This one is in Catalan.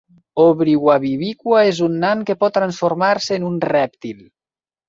Obrigwabibikwa és un nan que pot transformar-se en un rèptil.